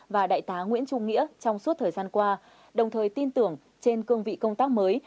và đại tá nguyễn trung nghĩa trong suốt thời gian qua đồng thời tin tưởng trên cương vị công tác mới